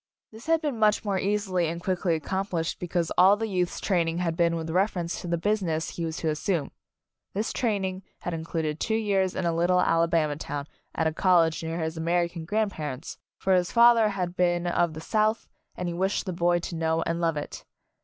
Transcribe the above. This had been much more easily and quickly ac complished because all the youth's train ing had been with reference to the busi ness he was to assume. This training had included two years in a little Alabama town at a college near his American grandparents, for his father had been of the South and he wished the boy to know and love it.